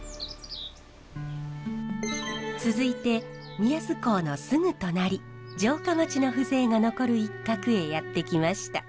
続いて宮津港のすぐ隣城下町の風情が残る一角へやって来ました。